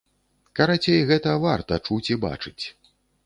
Карацей, гэта варта чуць і бачыць.